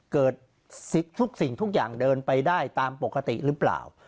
เกิดทุกสิ่งทุกอย่างเดินไปได้ตามปกติหรือเปล่า